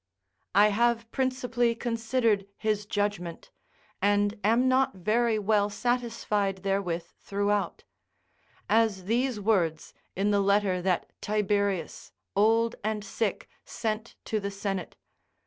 I have principally considered his judgment, and am not very well satisfied therewith throughout; as these words in the letter that Tiberius, old and sick, sent to the senate.